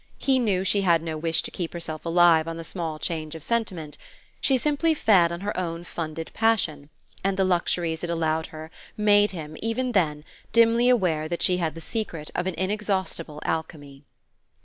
He knew she had no wish to keep herself alive on the small change of sentiment; she simply fed on her own funded passion, and the luxuries it allowed her made him, even then, dimly aware that she had the secret of an inexhaustible alchemy.